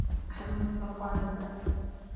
أحدهم يطرق على الباب.